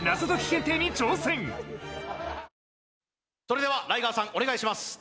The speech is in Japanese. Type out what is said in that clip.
それではライガーさんお願いします